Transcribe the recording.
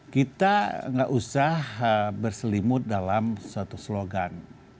kita nggak usah berselimut dalam suatu slogan